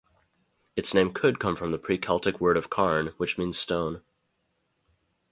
Its name could come from the pre-Celtic word of "carn", which means stone.